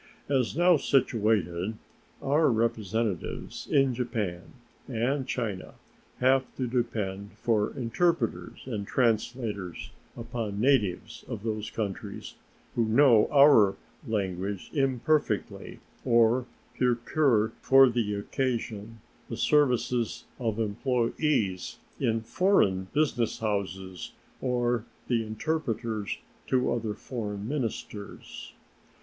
As now situated, our representatives in Japan and China have to depend for interpreters and translators upon natives of those countries who know our language imperfectly, or procure for the occasion the services of employees in foreign business houses or the interpreters to other foreign ministers.